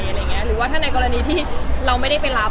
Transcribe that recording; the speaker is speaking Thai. หรือว่าถ้าในกรณีที่เราไม่ได้ไปรับ